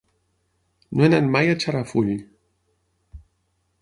No he anat mai a Xarafull.